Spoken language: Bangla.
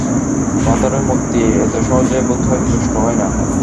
পাথরের মূর্তি এত সহজে বোধহয় তুষ্ট হয় না।